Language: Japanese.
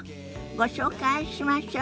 ご紹介しましょ。